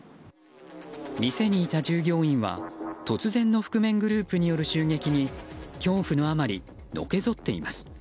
店にいた従業員は突然の覆面グループによる襲撃に恐怖のあまり、のけぞっています。